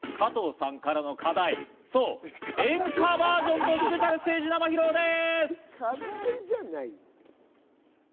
加藤さんからの課題、そう、演歌バージョンでスペシャルステージを生披露です。